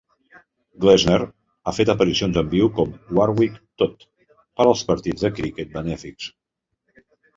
Gleisner ha fet aparicions en viu com Warwick Todd per als partits de criquet benèfics.